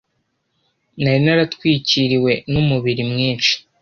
Nari naratwikiriwe numubiri mwinshi